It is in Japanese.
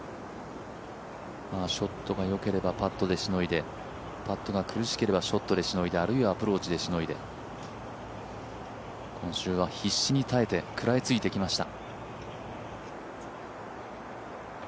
ショットが良ければパットでしのいでパットが苦しければショットでしのいであるいはアプローチでしのいで、今週は必死に耐えて食らいついてきました。